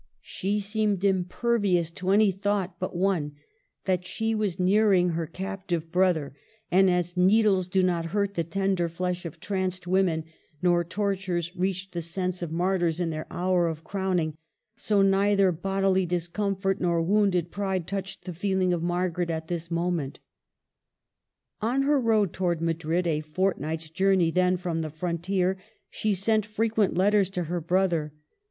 She seemed impervious to any thought but one, that she was nearing her captive brother; and as needles do not hurt the tender flesh of tranced women, nor tortures reach the sense of martyrs in their hour of crowning, so neither bodily discomfort nor wounded pride touched the feeling of Margaret at this moment. On her road towards Madrid, a fortnight's journey then from the frontier, she sent frequent letters to her brother.